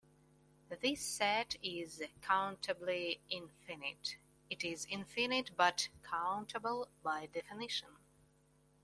This set is countably infinite: it is infinite but countable by definition.